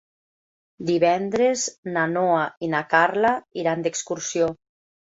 Divendres na Noa i na Carla iran d'excursió.